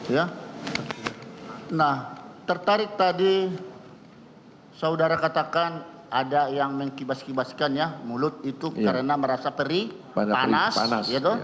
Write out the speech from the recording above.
ya nah tertarik tadi saudara katakan ada yang mengkibas kibaskan ya mulut itu karena merasa perih panas gitu